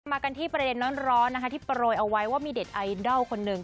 มากันที่ประเด็นร้อนนะคะที่โปรยเอาไว้ว่ามีเด็ดไอดอลคนหนึ่ง